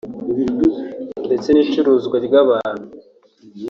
ndetse n’icuruzwa ry’abantu